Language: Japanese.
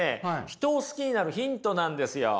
人を好きになるヒントなんですよ。